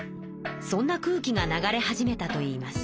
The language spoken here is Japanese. そんな空気が流れ始めたといいます。